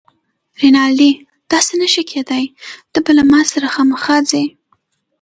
رینالډي: داسې نه شي کیدای، ته به له ما سره خامخا ځې.